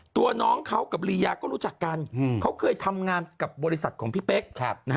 ตัวน้องเขากับลียาก็รู้จักกันเขาเคยทำงานกับบริษัทของพี่เป๊ก